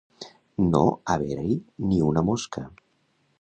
No haver-hi ni una mosca.